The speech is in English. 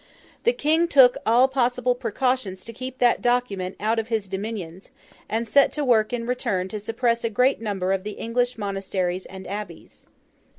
The King took all possible precautions to keep that document out of his dominions, and set to work in return to suppress a great number of the English monasteries and abbeys.